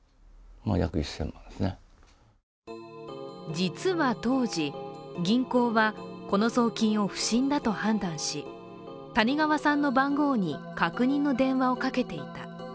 実は当時、銀行はこの送金を不審だと判断し、谷川さんの番号に確認の電話をかけていた。